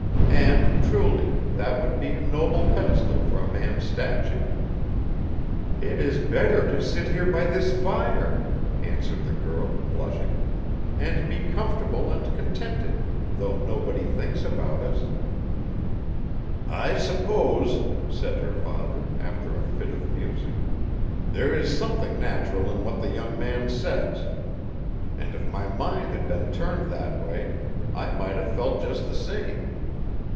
And, truly, that would be a noble pedestal for a man's statue!' 'It is better to sit here by this fire,' answered the girl, blushing, 'and be comfortable and contented, though nobody thinks about us.' 'I suppose,' Said her father, after a fit of musing, 'there is something natural in what the young man says; and if my mind had been turned that way, I might have felt just the same.